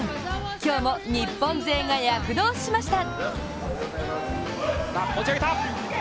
今日も日本勢が躍動しました！